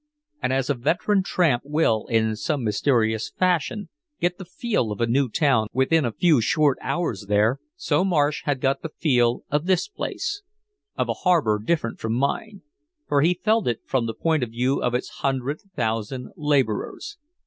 And as a veteran tramp will in some mysterious fashion get the feel of a new town within a few short hours there, so Marsh had got the feel of this place of a harbor different from mine, for he felt it from the point of view of its hundred thousand laborers.